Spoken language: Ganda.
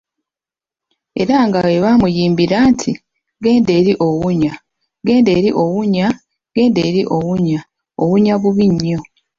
Era nga bw'ebamuyimbira nti; Genda eli owunya ,genda eli owunya, genda eli owunya, owunya bubi nnyo.